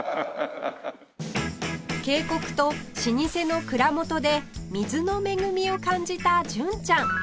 渓谷と老舗の蔵元で水の恵みを感じた純ちゃん